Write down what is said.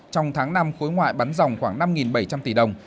trong tháng năm khối ngoại bắn dòng khoảng năm bảy trăm linh tỷ đồng